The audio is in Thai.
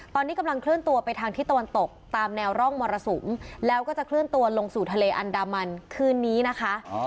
ตอนนี้กำลังเคลื่อนตัวไปทางทิศตะวันตกตามแนวร่องมรสุมแล้วก็จะเคลื่อนตัวลงสู่ทะเลอันดามันคืนนี้นะคะ